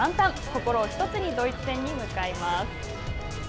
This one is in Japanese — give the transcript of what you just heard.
心を１つにドイツ戦に向かいます。